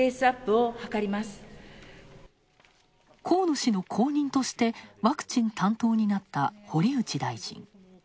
河野氏の後任として、ワクチン担当になった堀内大臣。